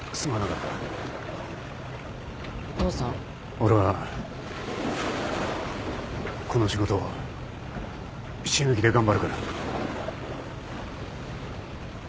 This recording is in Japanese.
俺はこの仕事死ぬ気で頑張るから。